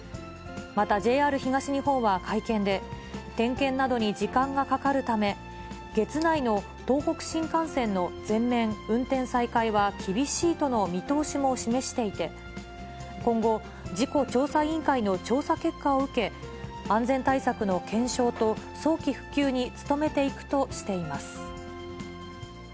またＪＲ東日本は会見で、点検などに時間がかかるため、月内の東北新幹線の全面運転再開は厳しいとの見通しも示していて、今後、事故調査委員会の調査結果を受け、安全対策の検証と早期復旧に努めていくとしています。